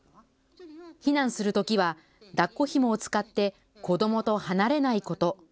避難するときはだっこひもを使って子どもと離れないこと。